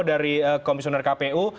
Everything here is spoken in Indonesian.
dari komisioner kpu